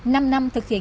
năm năm thực hiện